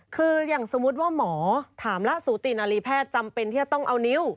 คืออย่างสมมุติว่าหมอถามละสูตินารีแพทย์จำเป็นที่จะต้องเอานิ้ว